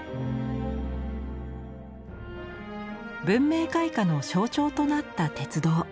文明開化の象徴となった鉄道。